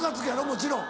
もちろん。